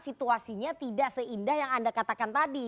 situasinya tidak seindah yang anda katakan tadi